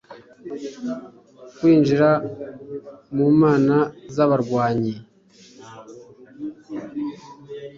kwinjira mu mana z'abarwanyi